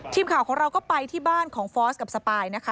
ทีมข่าวของเราก็ไปที่บ้านของฟอสกับสปายนะคะ